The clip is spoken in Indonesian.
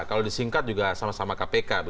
kalau disingkat juga sama sama kpk